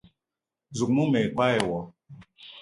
Zouk mou ma yi koo e wo